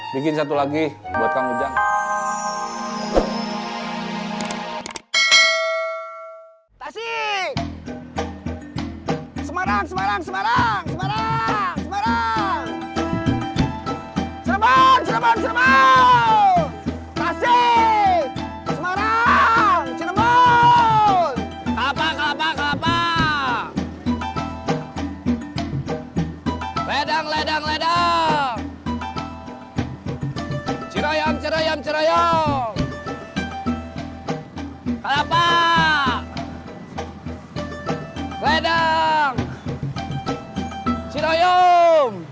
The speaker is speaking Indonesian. bikin satu lagi buat kang ujang